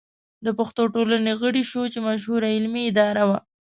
د پښتو ټولنې غړی شو چې مشهوره علمي اداره وه.